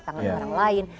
tangan orang lain